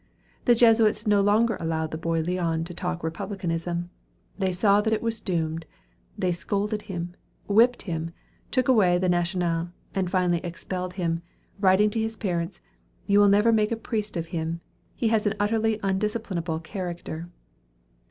The Jesuits no longer allowed the boy Leon to talk republicanism; they saw that it was doomed. They scolded him, whipped him, took away the "National," and finally expelled him, writing to his parents, "You will never make a priest of him; he has an utterly undisciplinable character."